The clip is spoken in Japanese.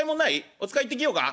お使い行ってきようか？」。